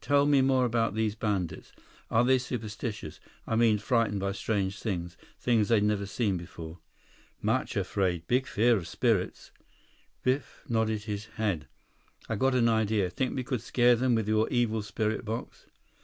Tell me more about these bandits. Are they superstitious? I mean, frightened by strange things, things they've never seen before?" "Much afraid. Big fear of spirits." 124 Biff nodded his head. "I've got an idea. Think we could scare them with your Evil Spirit Box?"